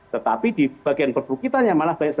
tetapi di bagian perbukitannya malah berdamping ya